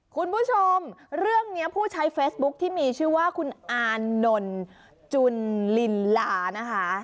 คุณผู้ชมเรื่องนี้ผู้ใช้เฟซบุ๊คที่มีชื่อว่าคุณอานนท์จุนลินลานะคะ